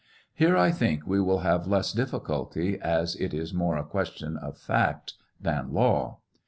Here I think we will have less difficulty, as it is more a question of fact than law.